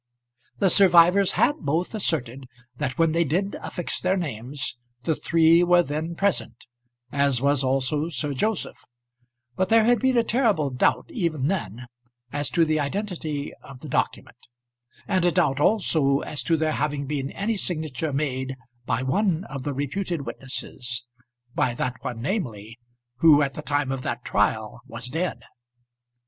The survivors had both asserted that when they did affix their names the three were then present, as was also Sir Joseph; but there had been a terrible doubt even then as to the identity of the document; and a doubt also as to there having been any signature made by one of the reputed witnesses by that one, namely, who at the time of that trial was dead.